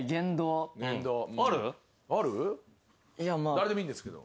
誰でもいいんですけど。